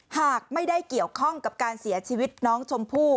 หากไม่ได้เกี่ยวข้องกับการเสียชีวิตน้องชมพู่